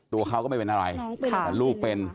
ตัวเขาก็ไม่เป็นอะไรแต่ลูกเป็น